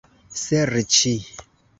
serĉi